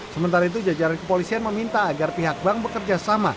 sementara itu jajaran kepolisian meminta agar pihak bank bekerja sama